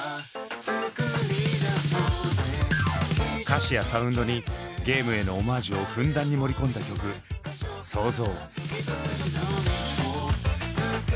歌詞やサウンドにゲームへのオマージュをふんだんに盛り込んだ曲「創造」。